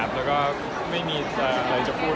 แล้วก็ไม่มีอะไรจะพูด